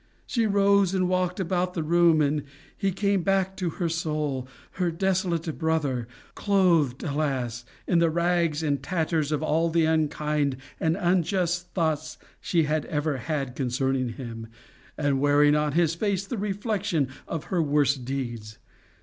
She rose and walked about the room. And he came back to her soul, her desolate brother, clothed, alas! in the rags and tatters of all the unkind and unjust thoughts she had ever had concerning him, and wearing on his face the reflection of her worse deeds.